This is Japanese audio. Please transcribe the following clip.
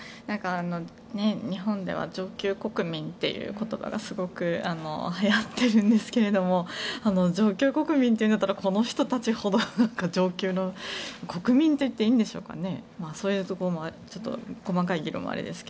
日本では上級国民という言葉がすごくはやっているんですけど上級国民というならこの人たちほど上級の国民といっていいんでしょうか細かい議論はあれですが。